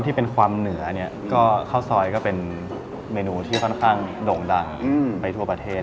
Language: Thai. ที่เป็นความเหนือเนี่ยก็ข้าวซอยก็เป็นเมนูที่ค่อนข้างโด่งดังไปทั่วประเทศ